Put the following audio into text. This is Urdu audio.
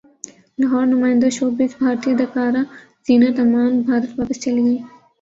لاہورنمائندہ شوبز بھارتی اداکارہ زینت امان بھارت واپس چلی گئیں